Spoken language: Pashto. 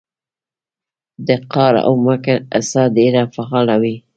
د قار او مکر حصه ډېره فعاله وي